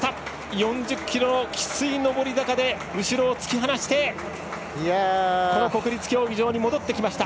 ４０ｋｍのきつい上り坂で後ろを突き放してこの国立競技場に戻ってきました。